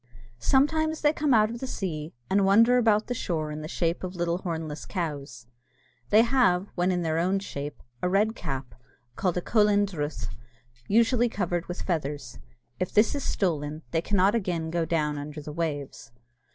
Sometimes they come out of the sea, and wander about the shore in the shape of little hornless cows. They have, when in their own shape, a red cap, called a cohullen druith, usually covered with feathers. If this is stolen, they cannot again go down under the waves.